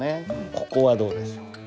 ここはどうでしょ？